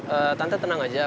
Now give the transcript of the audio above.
eh tante tenang aja